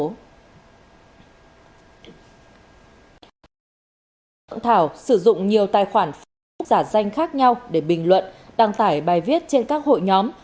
ông thảo sử dụng nhiều tài khoản facebook giả danh khác nhau để bình luận đăng tải bài viết trên các hội nhóm